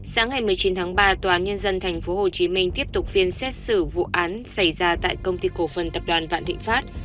sáng hai mươi chín tháng ba tnthphcm tiếp tục phiên xét xử vụ án xảy ra tại công ty cổ phần tập đoàn vạn thịnh phát